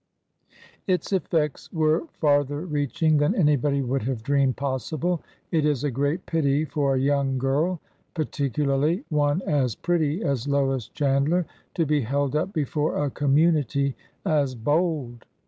Its effects were farther reaching than anybody would have dreamed possible. It is a great pity for a young girl— particularly one as pretty as Lois Chandler— to be held up before a community as bold.